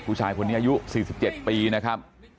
ผู้ชายคนนี้อายุ๔๗ปีนะครับ